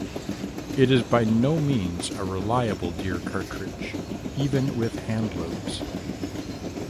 It is by no means a reliable deer cartridge, even with handloads.